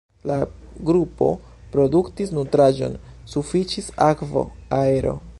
La grupo produktis nutraĵon, sufiĉis akvo, aero.